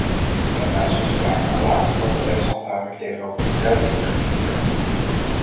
Daarnaast zijn ze vaak nalatig wat de wetshandhaving tegenover bedrijven in hun gebied betreft.